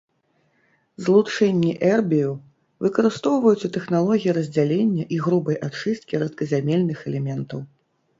Злучэнні эрбію выкарыстоўваюць у тэхналогіі раздзялення і грубай ачысткі рэдказямельных элементаў.